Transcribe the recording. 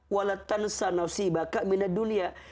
walatan sanawsi baka minad dunia